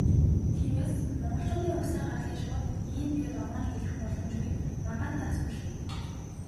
Тиймээс, монголчуудын угсаа гарлыг шууд "ийм" гээд оноон хэлэх боломжгүй, маргаантай асуудал юм.